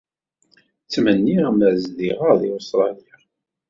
Ttmenniɣ mer zdiɣeɣ deg Ustṛalya.